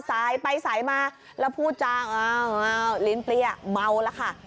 สายไปสายมาแล้วพูดจางอ้าวลิ้นเปรี้ยเมาแล้วค่ะ